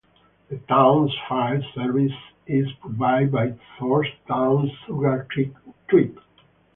The town's fire service is provided by Thorntown-Sugar Creek Twp.